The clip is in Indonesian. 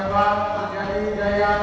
soal perangkap r observeah pinjaman